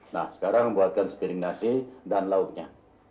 nah sekarang buatkan spiring nasi dan lauknya